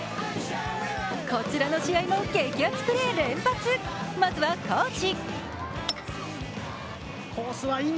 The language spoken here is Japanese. こちらの試合も激熱プレー連発、まずは高知。